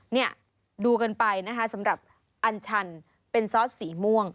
เนี่ยดูกันไปนะคะสำหรับอัญชันเป็นซอสสีม่วง